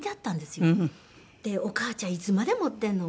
「お母ちゃんいつまで持ってんの？